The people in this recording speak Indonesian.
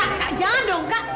kak kak jangan dong kak